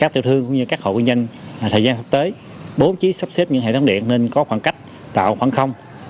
thư thương cũng như các hội nguyên nhân thời gian sắp tới bố trí sắp xếp những hệ thống điện nên có khoảng cách tạo khoảng không